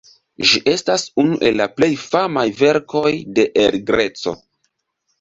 Ĝi estas unu el plej famaj verkoj de El Greco.